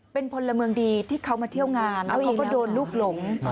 เป็นพลเมืองดีที่เขามาเที่ยวงานแล้วเขาก็โดนลูกหลง